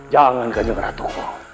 jangan kaceng ratuku